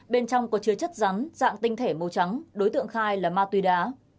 bên trong có chứa chất rắn dạng tinh thể màu trắng đối tượng khai là ma túy đá